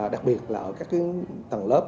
đặc biệt là ở các tầng lớp